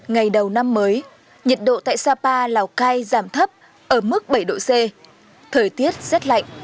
ngày đầu năm mới nhiệt độ tại sapa lào cai giảm thấp ở mức bảy độ c thời tiết rất lạnh